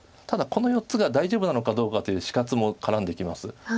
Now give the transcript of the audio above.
ただこの４つが大丈夫なのかどうかという死活も絡んできます。